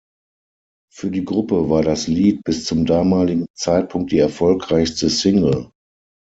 Für die Gruppe war das Lied bis zum damaligen Zeitpunkt die erfolgreichste Single.